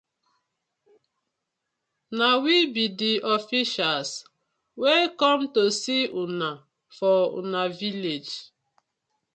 Na we bi di officials wey com to see una for una village.